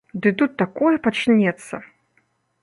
Ды тут такое пачнецца!